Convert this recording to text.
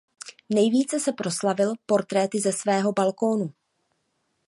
Nejvíce se proslavil portréty ze svého balkónu.